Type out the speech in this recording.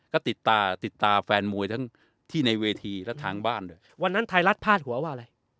ก็ติดตาติดตาแฟนมวยทั้งที่ในเวทีและทางบ้านด้วยวันนั้นไทยรัฐพาดหัวว่าอะไร